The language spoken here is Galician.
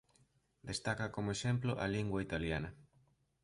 Destaca como exemplo a lingua italiana.